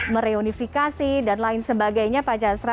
mereunifikasi dan lain sebagainya pak jasra